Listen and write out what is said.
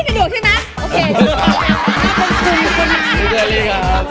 ความเชี่ยว